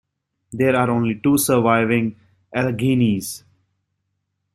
There are only two surviving Alleghenies.